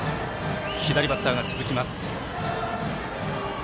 左バッターが続きます。